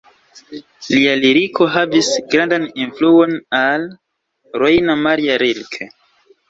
Lia liriko havis grandan influon al Rainer Maria Rilke.